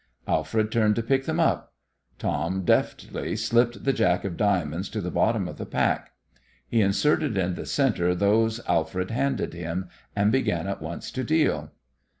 Alfred turned to pick them up. Tom deftly slipped the jack of diamonds to the bottom of the pack. He inserted in the centre those Alfred handed him, and began at once to deal.